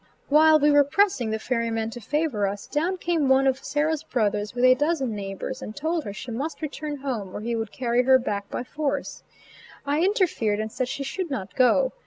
While we were pressing the ferryman to favor us, down came one of Sarah's brothers with a dozen neighbors, and told her she must return home or he would carry her back by force. I interfered and said she should not go.